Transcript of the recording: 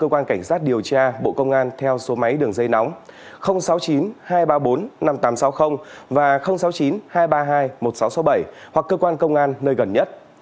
cảnh sát điều tra bộ công an theo số máy đường dây nóng sáu mươi chín hai trăm ba mươi bốn năm nghìn tám trăm sáu mươi và sáu mươi chín hai trăm ba mươi hai một nghìn sáu trăm sáu mươi bảy hoặc cơ quan công an nơi gần nhất